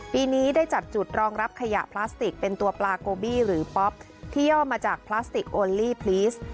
ปีนี้ได้จัดจุดรองรับขยะพลาสติกเป็นตัวปลาโกบี้หรือป๊อปที่ย่อมาจากพลาสติกโอลี่พลีส